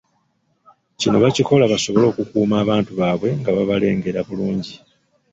Kino bakikola basobole okukuuma abantu baabwe nga babalengera bulungi.